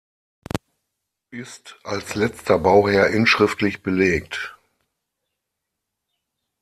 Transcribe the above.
Ist als letzter Bauherr inschriftlich belegt.